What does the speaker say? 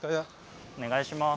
お願いします。